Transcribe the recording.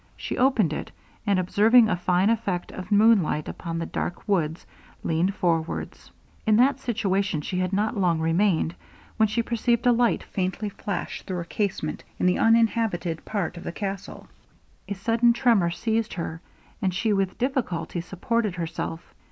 She opened it; and observing a fine effect of moonlight upon the dark woods, leaned forwards. In that situation she had not long remained, when she perceived a light faintly flash through a casement in the uninhabited part of the castle. A sudden tremor seized her, and she with difficulty supported herself.